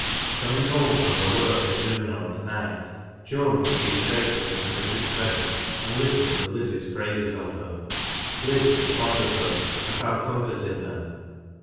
Coming home from her work at noon or at night, Joan would see traces of Anice's presence, and listen to Liz's praises of her. Liz was fond of her and found comfort in her.